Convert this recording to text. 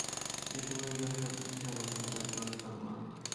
এ সময় ওই ঘরে স্বর্ণালি ছাড়াও ছিলেন আকবর ও তাঁর মা।